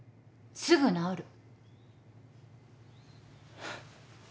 すぐ治る。